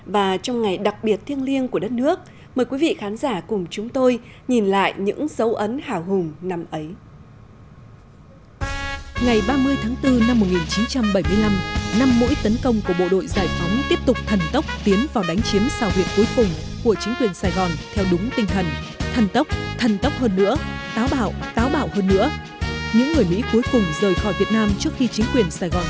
và trong ngày đặc biệt thiêng liêng của đất nước mời quý vị khán giả cùng chúng tôi nhìn lại những dấu ấn hào hùng năm ấy